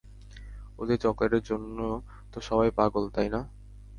ওদের চকলেটের জন্য তো সবাই পাগল, তাই না?